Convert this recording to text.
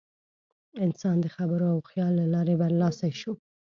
انسان د خبرو او خیال له لارې برلاسی شو.